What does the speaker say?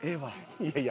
いやいや。